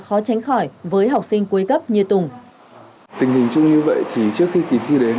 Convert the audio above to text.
khó tránh khỏi với học sinh cuối cấp như tùng tình hình chung như vậy thì trước khi kỳ thi đến